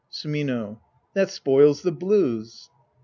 Sumino. That spoils the blues.